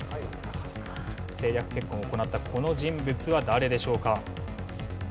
政略結婚を行ったこの人物は誰でしょうか？